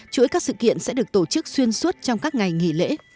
chuỗi các sự kiện sẽ được tổ chức xuyên suốt trong các ngày nghỉ lễ